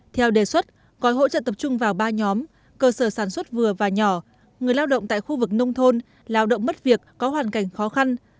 theo đề xuất gói hỗ trợ tập trung vào ba nhóm cơ sở sản xuất vừa và nhỏ người lao động tại khu vực nông thôn lao động mất việc có hoàn cảnh khó khăn